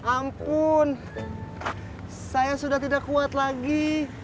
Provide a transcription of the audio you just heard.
ampun saya sudah tidak kuat lagi